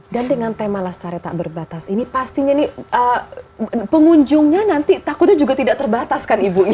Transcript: dan dengan tema lasare tak berbatas ini pastinya nih pengunjungnya nanti takutnya juga tidak terbatas kan ibunya